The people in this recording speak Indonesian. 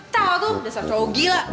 tau aku dasar cowok gila